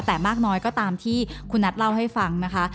แต่มากน้อยก็ตามที่คุณนัทเล่าให้ฟังนะคะ